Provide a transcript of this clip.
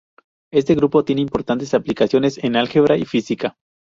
Este grupo tiene importantes aplicaciones en álgebra y física.